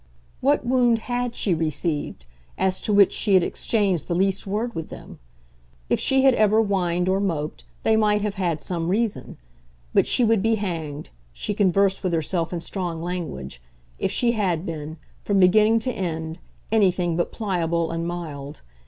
What wound HAD she received as to which she had exchanged the least word with them? If she had ever whined or moped they might have had some reason; but she would be hanged she conversed with herself in strong language if she had been, from beginning to end, anything but pliable and mild.